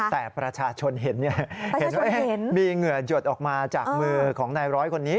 แต่ประชาชนเห็นเห็นว่ามีเหงื่อหยดออกมาจากมือของนายร้อยคนนี้